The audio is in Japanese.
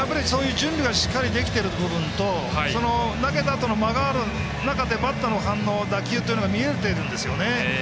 準備がしっかりできていることと投げたあとの間がある中でバッターの反応打球が見えているんですね。